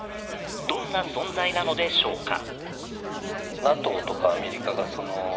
どんな存在なのでしょうか？